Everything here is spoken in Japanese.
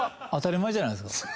当たり前じゃないですか。